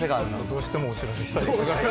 どうしてもお知らせしたいことが。